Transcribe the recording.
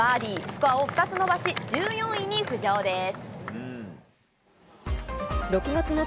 スコアを２つ伸ばし１４位に浮上です。